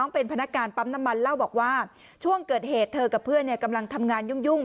เป็นพนักงานปั๊มน้ำมันเล่าบอกว่าช่วงเกิดเหตุเธอกับเพื่อนกำลังทำงานยุ่ง